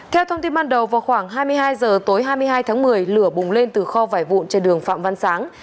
theo thông tin ban đầu vào khoảng hai mươi hai h tối hai mươi hai tháng một mươi lửa bùng lên từ kho vải vụn trên đường phạm văn sáng